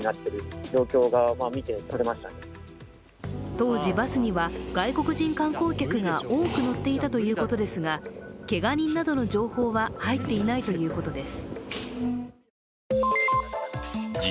当時、バスには外国人観光客が多く乗っていたということですが、けが人などの情報は入っていないということです。